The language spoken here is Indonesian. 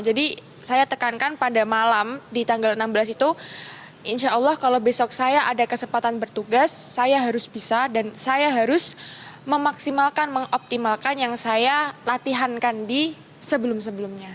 jadi saya tekankan pada malam di tanggal enam belas itu insya allah kalau besok saya ada kesempatan bertugas saya harus bisa dan saya harus memaksimalkan mengoptimalkan yang saya latihankan di sebelum sebelumnya